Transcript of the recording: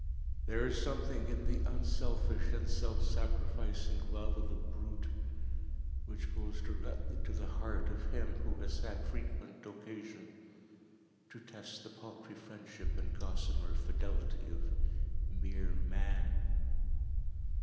There is something in the unselfish and self sacrificing love of a brute, which goes directly to the heart of him who has had frequent occasion to test the paltry friendship and gossamer fidelity of mere Man.